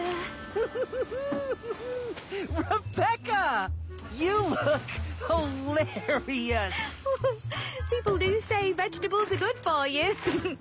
フフフッ。